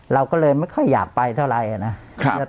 เราก็เลยไม่ค่อยอยากไปเท่าไรนะ